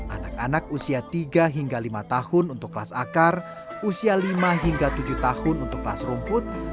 anak anak usia tiga hingga lima tahun untuk kelas akar usia lima hingga tujuh tahun untuk kelas rumput